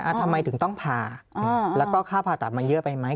ทำไมถึงต้องผ่าแล้วก็ค่าผ่าตัดมันเยอะไปไหม